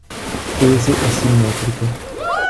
Tese e simmetriche.